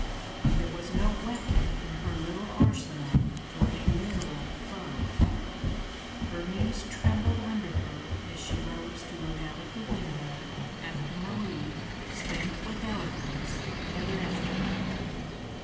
There was no weapon in her little arsenal for a literal foe. Her knees trembled under her as she rose to look out of the window, after Marie, spent with eloquence, had left her.